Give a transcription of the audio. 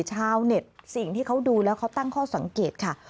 ชาวเน็ตสิ่งที่เขาดูแล้วเขาตั้งข้อสังเกตค่ะ